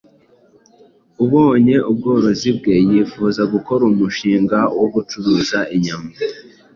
Ubonye ubworozi bwe yifuza gukora umushinga wo gucuruza inyama